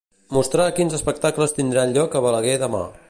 Mostrar quins espectacles tindran lloc a Balaguer demà.